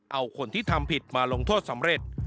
เอาคนที่ทำผิดมาลงโทษสำเร็จ